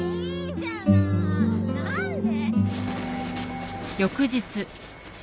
何で！？